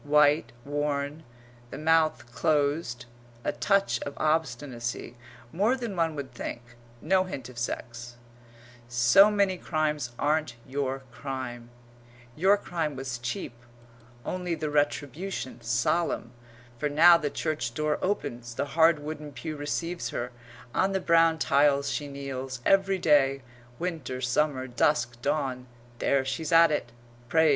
white, worn, the mouth closed a touch of obstinacy, more than one would think no hint of sex) so many crimes aren't your crime; your crime was cheap; only the retribution solemn; for now the church door opens, the hard wooden pew receives her; on the brown tiles she kneels; every day, winter, summer, dusk, dawn (here she's at it) prays.